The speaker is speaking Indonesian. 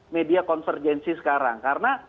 media konvergensi sekarang karena